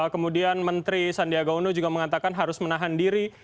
kemudian menteri sandiaga uno juga mengatakan harus menahan diri